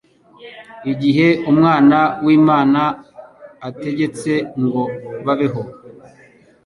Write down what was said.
igihe Umwana w'Imana ategetse ngo babeho.